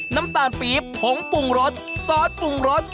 น้ำตาลปี๊บผงปรุงรสซอสปรุงรส